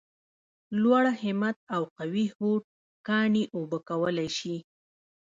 لوړ همت او قوي هوډ کاڼي اوبه کولای شي !